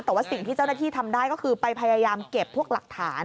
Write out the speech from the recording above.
แต่ว่าสิ่งที่เจ้าหน้าที่ทำได้ก็คือไปพยายามเก็บพวกหลักฐาน